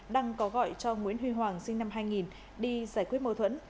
đăng có gọi cho nguyễn huy hoàng sinh năm hai nghìn đi giải quyết mâu thuẫn